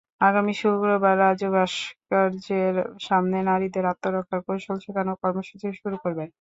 আগামী শুক্রবার রাজু ভাস্কর্যের সামনে নারীদের আত্মরক্ষার কৌশল শেখানো কর্মসূচি শুরু করবে।